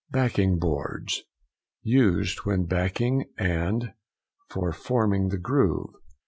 BACKING BOARDS.—Used when backing and for forming the groove.